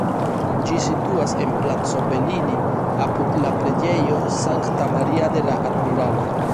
Ĝi situas en Placo Bellini, apud la Preĝejo Sankta Maria de la Admiralo.